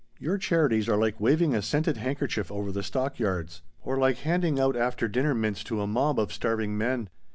"Your charities are like waving a scented handkerchief over the stock yards. Or like handing out after dinner mints to a mob of starving men."